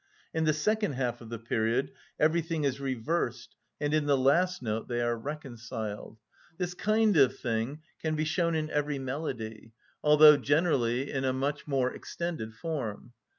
In the second half of the period everything is reversed, and in the last note they are reconciled. This kind of thing can be shown in every melody, although generally in a much more extended form.